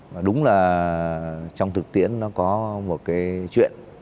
và đúng là trong thực tiễn nó có một cái chuyện